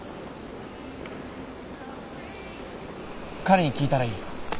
彼に聞いたらいい。